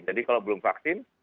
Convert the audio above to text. jadi kalau belum vaksin